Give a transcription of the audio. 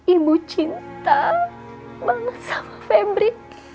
ibu cinta banget sama fembri